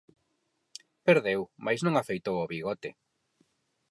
Perdeu, mais non afeitou o bigote.